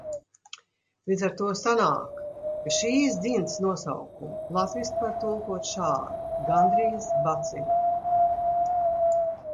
"Līdz ar to sanāk, ka šīs ģints nosaukumu latviski var tulkot šādi: "gandrīz baciļi"."